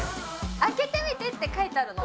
「開けてみて」って書いてあるの。